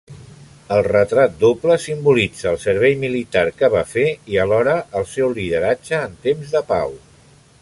El retrat doble simbolitza el servei militar que fa fer i alhora el seu lideratge en temps de pau.